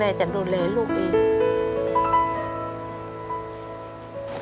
แม่จะดูแลลูกอีก